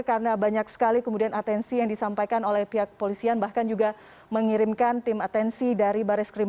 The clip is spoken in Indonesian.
karena banyak sekali kemudian atensi yang disampaikan oleh pihak polisian bahkan juga mengirimkan tim atensi dari baris krimpolri ke polda sulawesi selatan untuk melihat kasus ini